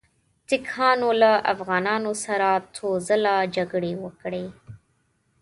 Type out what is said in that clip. سیکهانو له افغانانو سره څو ځله جګړې وکړې.